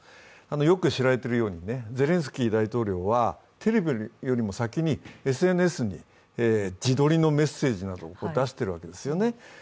よく知られているように、ゼレンスキー大統領はテレビよりも先にＳＮＳに自撮りのメッセージなどを出しているわけですよね。